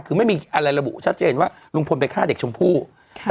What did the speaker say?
คือไม่มีอะไรระบุชัดเจนว่าลุงพลไปฆ่าเด็กชมพู่ค่ะ